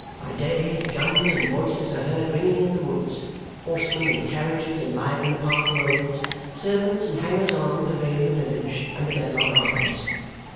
By day guns and voices are heard ringing in the woods, horsemen and carriages enliven the park roads, servants and hangers on pervade the village and the Dedlock Arms.